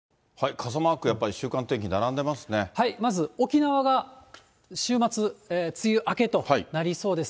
傘マーク、やっぱり、まず沖縄が週末、梅雨明けとなりそうです。